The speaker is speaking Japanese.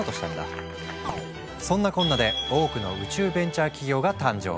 そんなこんなで多くの宇宙ベンチャー企業が誕生。